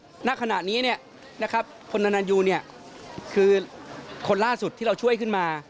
ไปคำถัดขณะนี้เนี่ยนะครับคนนาราโยูเนี่ยคือคนล่าสุดที่เราช่วยขึ้นมา